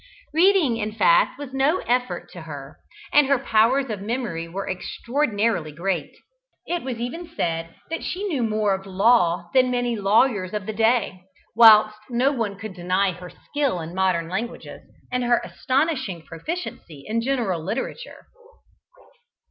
Reading, in fact, was no effort to her, and her powers of memory were extraordinarily great. It was even said that she knew more of law than many lawyers of the day, whilst no one could deny her skill in modern languages, and her astonishing proficiency in general literature.